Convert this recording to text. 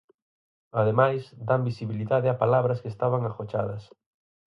Ademais, dan visibilidade a palabras que estaban agochadas.